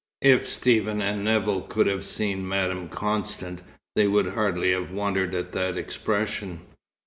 If Stephen and Nevill could have seen Madame Constant, they would hardly have wondered at that expression.